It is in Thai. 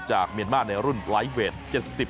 จากเมียนมารในรุ่นไลฟ์เวท๗๐๔ถึง๗๗๑กิโลกรัมนะครับ